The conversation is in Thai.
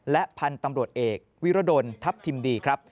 และพันธุ์ตำรวจเอกวิรดลทัพทิมดีครับ